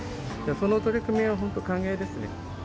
その取り組みは本当歓迎ですね。